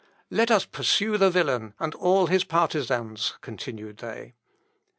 "Let us pursue the villain, and all his partisans," continued they.